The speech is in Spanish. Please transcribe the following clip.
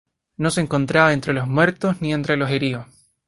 No se encontraba entre los muertos ni entre los heridos.